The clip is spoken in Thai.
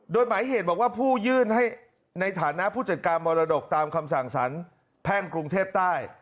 โดยหมายเหตุบอกว่าผู้ยื่นให้ในฐานะผู้จัดการมรดกตามคำสั่งสารแพ่งกรุงเทพใต้